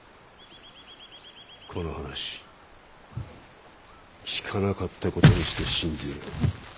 この話聞かなかったことにして進ぜよう。